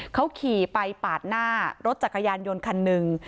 เขาขี่ไปปาดหน้ารถจักรยานยนต์คันหนึ่ง